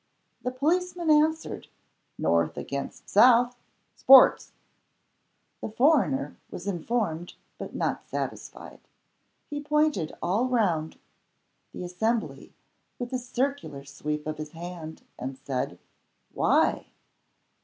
The policeman answered, "North against South Sports." The foreigner was informed, but not satisfied. He pointed all round the assembly with a circular sweep of his hand; and said, "Why?"